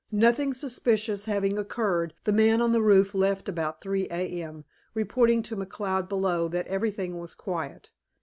Nothing suspicious having occurred, the man on the roof left about 3 A.M., reporting to McCloud below that everything was quiet.